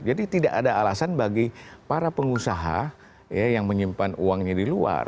jadi tidak ada alasan bagi para pengusaha yang menyimpan uangnya di luar